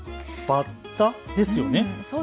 バッタですよね。